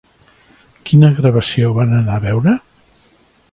Quina gravació van anar a veure?